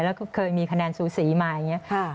แล้วก็เคยมีคะแนนสูสีมาอย่างนี้